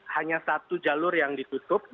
hanya satu jalur yang ditutup